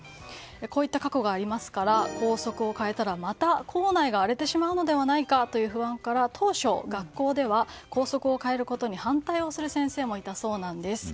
こういった過去がありますから校則を変えたらまた校内が荒れてしまうのではないかという不安から当初、学校では校則を変えることに反対をする先生もいたそうです。